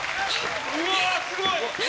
うわすごい！